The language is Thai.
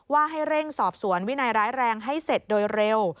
ว่าให้เร่งสอบสวนวินัยร้ายแรงให้เสร็จโดยเร็ว